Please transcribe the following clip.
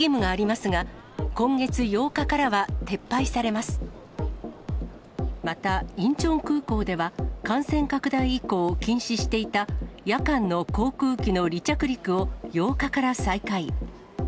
またインチョン空港では、感染拡大以降禁止していた、夜間の航空機の離着陸を８日から再開。